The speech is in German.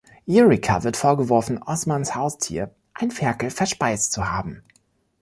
Eureka wird vorgeworfen, Ozmas Haustier, ein Ferkel, verspeist zu haben.